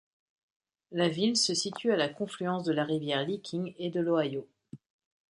La ville se situe à la confluence de la rivière Licking et de l'Ohio.